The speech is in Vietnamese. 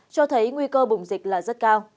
cho thấy nguy cơ bùng dịch là rất cao